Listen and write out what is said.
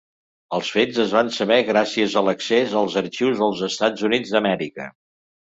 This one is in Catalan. Els fets es van saber gràcies a l'accés als arxius dels Estats Units d'Amèrica.